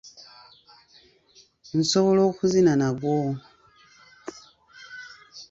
Nsobola okuzina nagwo.